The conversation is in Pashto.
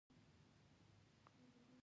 ما له بازار نه تازه شیدې راوړې.